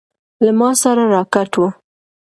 له ما سره راکټ و.